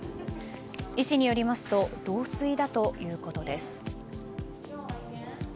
医師によりますと老衰だということです。